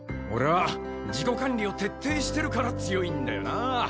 俺は自己管理を徹底してるから強いんだよなあ。